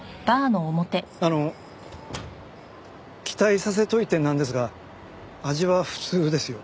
あの期待させておいてなんですが味は普通ですよ。